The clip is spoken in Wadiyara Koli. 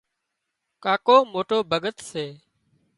ڪاڪو موٽو ڀڳت سي